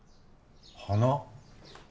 花